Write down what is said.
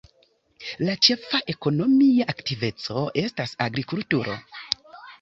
La ĉefa ekonomia aktiveco estas agrikulturo.